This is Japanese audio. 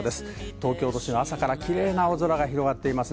東京都心、朝から綺麗な青空が広がっています。